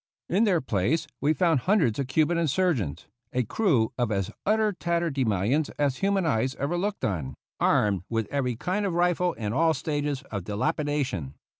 In their place we found hundreds of Cuban insurgents, a crew of as utter tatterdemalions as human eyes ever looked on, armed with every kind of rifle in all stages of dilapidation.